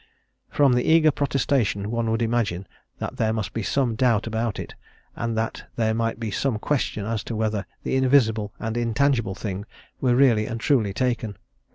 From the eager protestation one would imagine that there must be some doubt about it, and that there might be some question as to whether the invisible and intangible thing were really and truly taken.